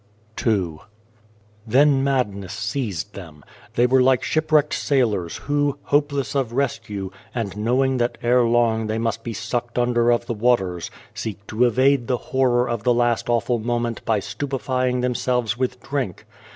2 73 II THEN madness seized them. They were like shipwrecked sailors who, hopeless of rescue, and knowing that ere long they must be sucked under of the waters, seek to evade the horror of the last awful moment by stupefying them selves with drink.